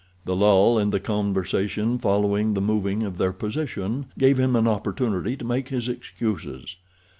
The lull in the conversation following the moving of their position gave him an opportunity to make his excuses.